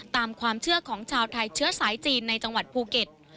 ตามความเชื่อของชาวไทยเชื้อสายจีนในจังหวัดภูเก็ต